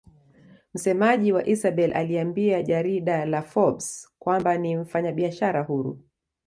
Msemaji wa Isabel aliambia jarida la Forbes kwamba ni mfanyabiashara huru